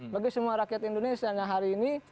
bagi semua rakyat indonesia yang hari ini